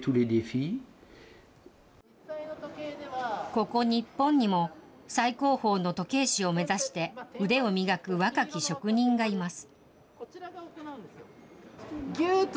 ここ日本にも、最高峰の時計師を目指して、腕を磨く若き職人がいます。